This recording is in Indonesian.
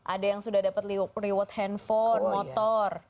ada yang sudah dapat reward handphone motor